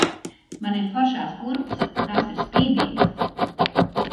Man ir foršās kurpes, tās ir spīdīgas!